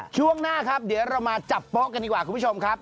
ช่วงหน้าครับเดี๋ยวเรามาจับโป๊ะกันดีกว่าคุณผู้ชมครับ